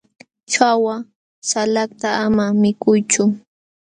ćhawa salakta ama mikuychu.